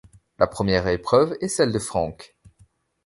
La première épreuve est celle de Franck.